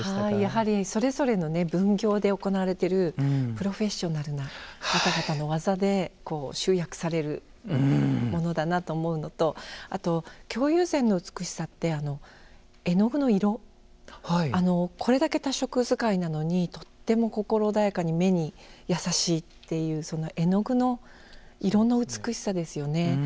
やはりそれぞれの分業で行われているプロフェッショナルな方々の技で集約されるものだなと思うのとあと、京友禅の美しさって絵の具の色これだけ多色使いなのにとっても心穏やかに目に優しいというその絵の具の色の美しさですよね。